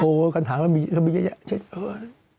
โถเค้าถามว่ามียา